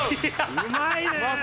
うまいね！